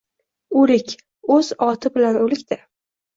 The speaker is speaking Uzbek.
— O’lik — o‘z oti bilan o‘lik-da.